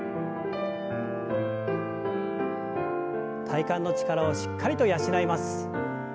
体幹の力をしっかりと養います。